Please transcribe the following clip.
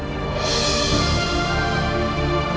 aku akan mencari